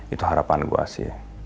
itu harapan gua sih